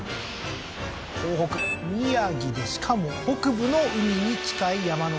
東北宮城でしかも北部の海に近い山の中